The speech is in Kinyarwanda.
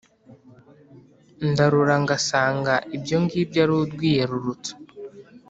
ndarora ngasanga ibyo ngibyo ari urwiyerurutso